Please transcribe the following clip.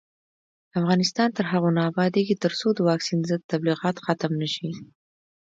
افغانستان تر هغو نه ابادیږي، ترڅو د واکسین ضد تبلیغات ختم نشي.